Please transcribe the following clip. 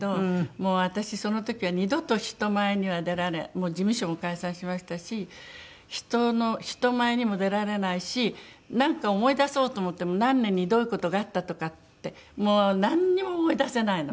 もう私その時は二度と人前には出られもう事務所も解散しましたし人の人前にも出られないしなんか思い出そうと思っても何年にどういう事があったとかってもうなんにも思い出せないの。